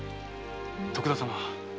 徳田様